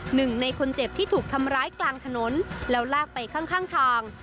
หนึ่งในคนเจ็บที่ถูกทำร้ายกลางถนนแล้วลากไปข้างทาง